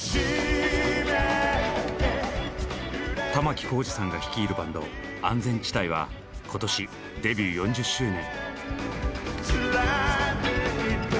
玉置浩二さんが率いるバンド安全地帯は今年デビュー４０周年。